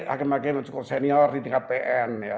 hakim hakim yang cukup senior di tingkat pn ya